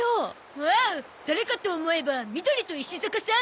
おお誰かと思えばみどりと石坂さん。